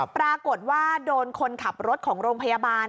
ปรากฏว่าโดนคนขับรถของโรงพยาบาล